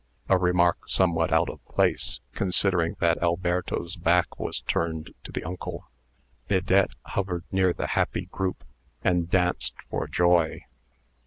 a remark somewhat out of place, considering that Alberto's back was turned to the uncle. Bidette hovered near the happy group, and danced for joy.